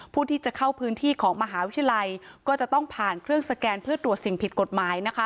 ผู้ที่จะเข้าพื้นที่ของมหาวิทยาลัยก็จะต้องผ่านเครื่องสแกนเพื่อตรวจสิ่งผิดกฎหมายนะคะ